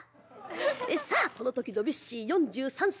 さあこの時ドビュッシー４３歳。